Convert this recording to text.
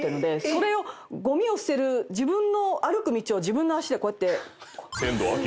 それをごみを捨てる自分の歩く道を自分の足でこうやって。